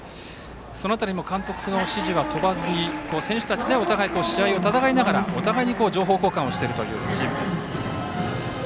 その辺りも監督の指示は飛ばずに選手たちで、試合を戦いながらお互いに情報交換をしているというチームです。